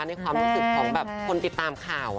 ในความรู้สึกของแบบคนติดตามข่าว